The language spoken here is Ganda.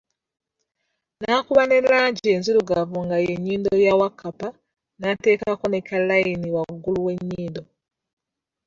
Naakuba ne langi enzirugavu nga ye nyindo ya Wakkapa naatekako naakalayini wagulu we nyindo.